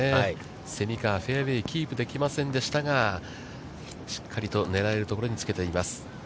蝉川、フェアウェイをキープできませんでしたが、しっかりと狙えるところにつけています。